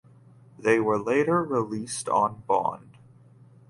They were later released on bond.